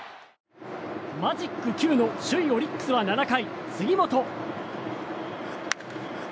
マジック９の首位オリックスは７回、杉本。